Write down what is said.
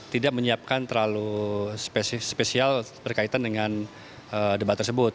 tidak menyiapkan terlalu spesial berkaitan dengan debat tersebut